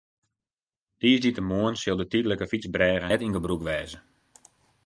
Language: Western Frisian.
Tiisdeitemoarn sil de tydlike fytsbrêge net yn gebrûk wêze.